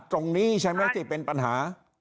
ตรงนี้ใช่ไหมที่เป็นปัญหา